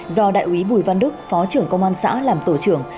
do đại úy bùi văn đức phó trưởng công an xã làm tổ trưởng